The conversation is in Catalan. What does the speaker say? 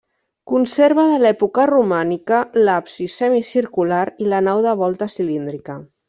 Conserva de l'època romànica l'absis semicircular i la nau de volta cilíndrica.